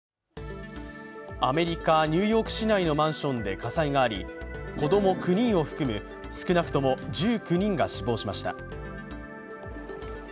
アメリカ・ニューヨーク市内のマンションで火災があり子供９人を含む少なくとも１９人が死亡しました。